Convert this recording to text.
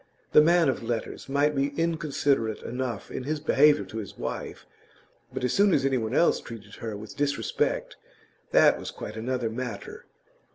The man of letters might be inconsiderate enough in his behaviour to his wife, but as soon as anyone else treated her with disrespect that was quite another matter.